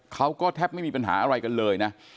เขาก็แทบไม่มีปัญหาอะไรกันเลยนะ